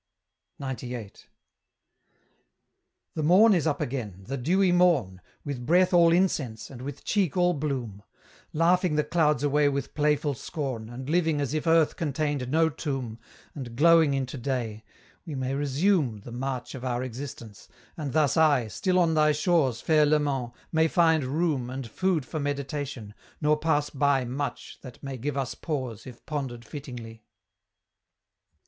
XCVIII. The morn is up again, the dewy morn, With breath all incense, and with cheek all bloom, Laughing the clouds away with playful scorn, And living as if earth contained no tomb, And glowing into day: we may resume The march of our existence: and thus I, Still on thy shores, fair Leman! may find room And food for meditation, nor pass by Much, that may give us pause, if pondered fittingly.